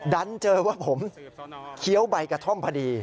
ดันเจอว่าผมเคี้ยวใบกระท่อมพอดี